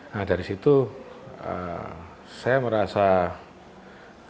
nah dari situ saya merasa bahwa